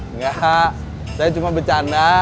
enggak saya cuma bercanda